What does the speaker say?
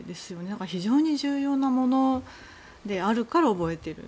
だから非常に重要なものであるから覚えている。